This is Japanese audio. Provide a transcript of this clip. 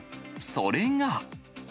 それが。